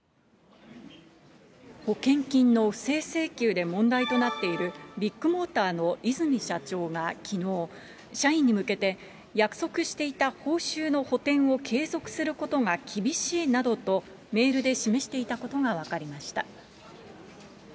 保険金の不正請求で問題となっているビッグモーターの和泉社長がきのう、社員に向けて、約束していた報酬の補填を継続することが厳しいなどと、メールで示していたことが分かりました。